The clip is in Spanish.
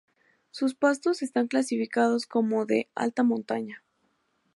Sus pastos están clasificados como de "Alta montaña".